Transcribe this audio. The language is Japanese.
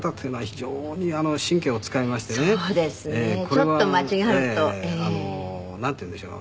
ちょっと間違うと。なんていうんでしょう。